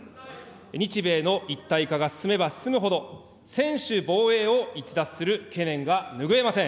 日米の一体化が進めば進むほど、専守防衛を逸脱する懸念が拭えません。